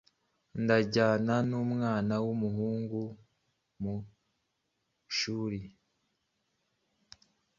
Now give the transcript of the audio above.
ndajyana umwana w’umuhungu mu ishuri